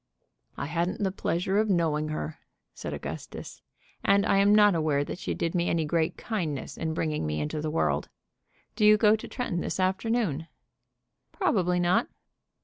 "I hadn't the pleasure of knowing her," said Augustus. "And I am not aware that she did me any great kindness in bringing me into the world. Do you go to Tretton this afternoon?" "Probably not."